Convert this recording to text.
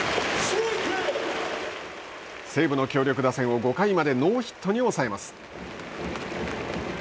西武の強力打線を５回までノーヒットに抑えます。